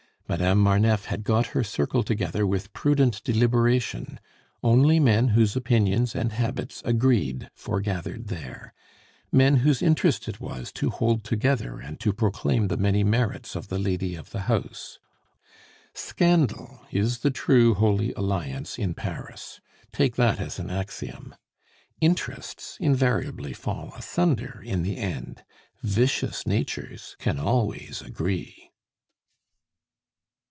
Madame Marneffe had got her circle together with prudent deliberation; only men whose opinions and habits agreed foregathered there, men whose interest it was to hold together and to proclaim the many merits of the lady of the house. Scandal is the true Holy Alliance in Paris. Take that as an axiom. Interests invariably fall asunder in the end; vicious natures can always agree.